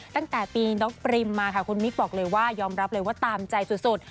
ตั้งแต่ปีน้องปริมมาค่ะคุณมิกบอกเลยว่ายอมรับเลยว่าตามใจสุด